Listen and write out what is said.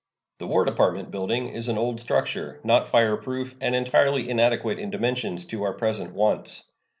The War Department building is an old structure, not fireproof, and entirely inadequate in dimensions to our present wants.